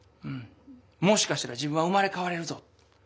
「もしかしたら自分は生まれかわれるぞ！」。